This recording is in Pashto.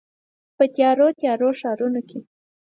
په تیارو، تیارو ښارونو کې